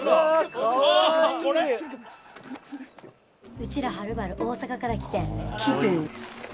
うちらはるばる大阪から来てん。来てん。